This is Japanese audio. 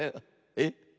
えっ？